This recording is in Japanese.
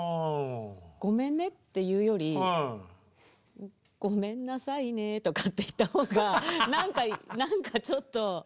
ごめんねって言うよりごめんなさいねとかって言った方が何か何かちょっと。